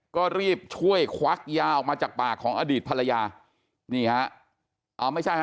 ก็รีบช่วยควักยาออกมาจากปากของอดีตภรรยานี่ฮะอ่าไม่ใช่ฮะ